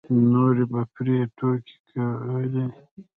نورو به پرې ټوکې کولې.